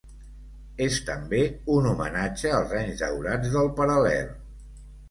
És també un homenatge als anys daurats del Paral·lel.